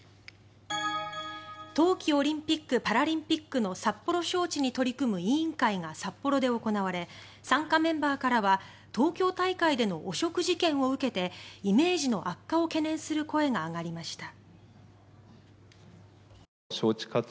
冬季オリンピック・パラリンピックの札幌招致に取り組む委員会が札幌で行われ参加メンバーからは東京大会での汚職事件を受けてイメージの悪化を懸念する声が上がりました。